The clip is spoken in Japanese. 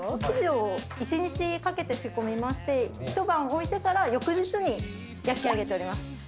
生地を１日かけて仕込みまして一晩置いてから翌日に焼き上げております。